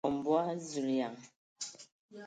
O ku mbǝg mbǝg ! Zulǝyan.